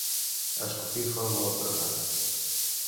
Escopir fora de la trona.